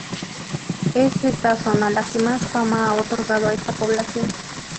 Es esta zona la que más fama ha otorgado a esta población.